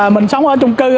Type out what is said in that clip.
mình sống ở trung cư